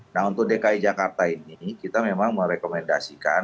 nah untuk dki jakarta ini kita memang merekomendasikan